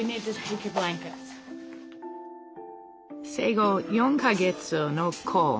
生後４か月のコウ。